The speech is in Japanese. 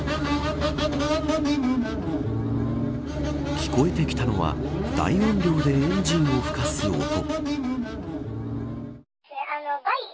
聞こえてきたのは大音量でエンジンをふかす音。